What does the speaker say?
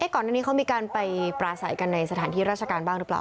ก่อนหน้านี้เขามีการไปปราศัยกันในสถานที่ราชการบ้างหรือเปล่า